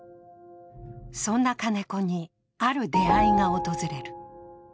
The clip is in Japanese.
そんな金子に、ある出会いが訪れる。